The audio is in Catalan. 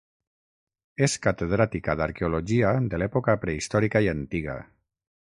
És catedràtica d'arqueologia de l'època prehistòrica i antiga.